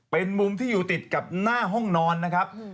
เป็นมุมที่อยู่ติดกับหน้าห้องนอนนะครับ